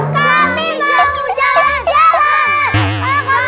kami mau jalan jalan